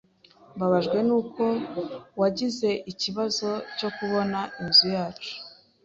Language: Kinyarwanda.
Mbabajwe nuko wagize ikibazo cyo kubona inzu yacu.